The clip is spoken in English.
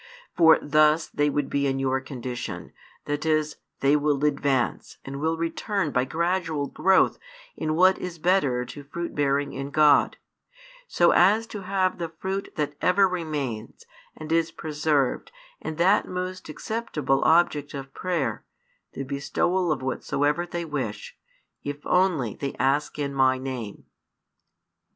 For thus they would be in your condition, that is, they will advance and will return by gradual growth in what is better to fruit bearing in God, so as to have the fruit that ever remains and is preserved and that most acceptable object of prayer, the bestowal of whatsoever they wish, if only they ask in My name."